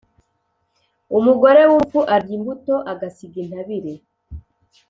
Umugore w’umupfu arya imbuto agasiga intabire.